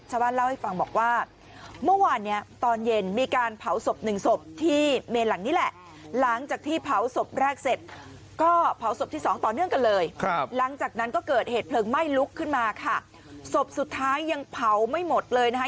เจ้าบ้านเล่าให้ฟังบอกว่าเมื่อวานเนี่ยตอนเย็นมีการเผาศพหนึ่งศพที่เมนหลังนี้แหละ